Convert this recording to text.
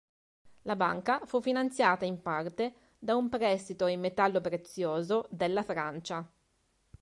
La banca fu finanziata in parte da un prestito in metallo prezioso della Francia.